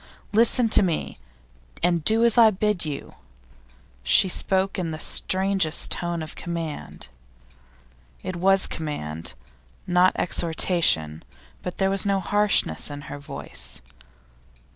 Listen to me, and do as I bid you.' She spoke in the strangest tone of command. It was command, not exhortation, but there was no harshness in her voice.